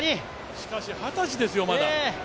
しかし二十歳ですよ、まだ。